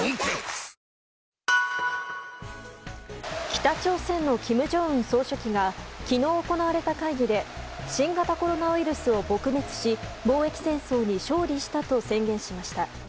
北朝鮮の金正恩総書記が昨日行われた会議で新型コロナウイルスを撲滅し防疫戦争に勝利したと宣言しました。